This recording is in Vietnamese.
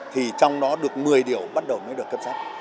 thì trong đó được một mươi điều bắt đầu mới được cấp sắc